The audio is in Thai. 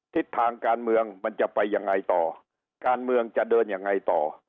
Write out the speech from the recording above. ทิศทางการเมืองมันจะไปยังไงต่อการเมืองจะเดินยังไงต่อ